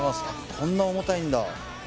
こんな重たいんだ